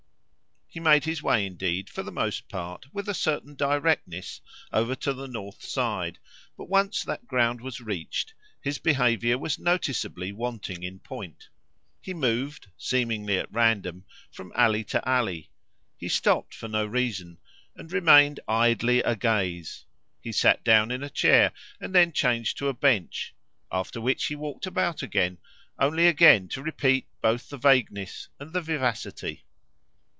He made his way indeed, for the most part, with a certain directness over to the north side; but once that ground was reached his behaviour was noticeably wanting in point. He moved, seemingly at random, from alley to alley; he stopped for no reason and remained idly agaze; he sat down in a chair and then changed to a bench; after which he walked about again, only again to repeat both the vagueness and the vivacity.